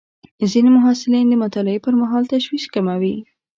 ځینې محصلین د مطالعې پر مهال تشویش کموي.